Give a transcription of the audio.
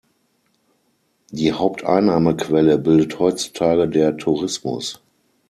Die Haupteinnahmequelle bildet heutzutage der Tourismus.